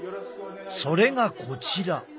それがこちら。